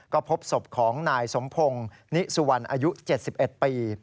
ก็พบศพของนายสมพงศ์นิสุวรรณอายุ๗๑ปี